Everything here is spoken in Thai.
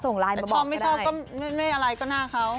ส่งไลน์มาบอกก็ได้แต่ชอบไม่ชอบก็ไม่อะไรก็หน้าเขา